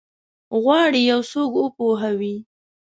غواړي یو څوک وپوهوي؟